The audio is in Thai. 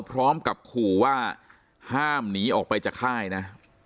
พร้อมกับขู่ว่าห้ามหนีออกไปจากค่ายนะ